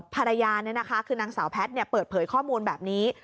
ภรรยาคือนางสาวแพทย์เปิดเผยข้อมูลแบบนี้